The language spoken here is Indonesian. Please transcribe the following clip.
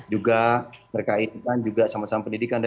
juga berkaitan juga sama sama pendidikan dari luar negara